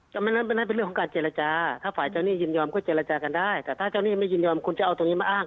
ไม่นั้นเป็นนั่นเป็นเรื่องของการเจรจาถ้าฝ่ายเจ้าหนี้ยินยอมก็เจรจากันได้แต่ถ้าเจ้าหนี้ไม่ยินยอมคุณจะเอาตรงนี้มาอ้าง